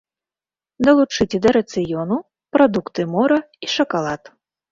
Далучыце да рацыёну прадукты мора і шакалад.